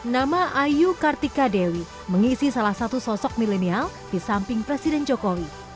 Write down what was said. nama ayu kartika dewi mengisi salah satu sosok milenial di samping presiden jokowi